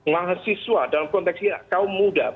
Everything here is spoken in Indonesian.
mahasiswa dalam konteks kaum pemuda itu